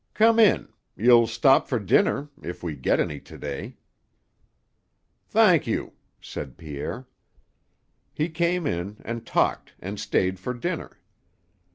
Come in. You'll stop for dinner if we get any to day." "Thank you," said Pierre. He came in and talked and stayed for dinner.